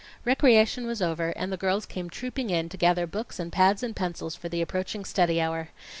Recreation was over, and the girls came trooping in to gather books and pads and pencils for the approaching study hour.